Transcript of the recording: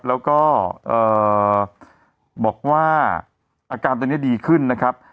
แล้วก็บอกว่าอาการตอนนี้ดีขึ้นนะครับ